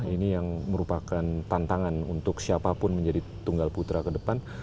ini yang merupakan tantangan untuk siapapun menjadi tunggal putra ke depan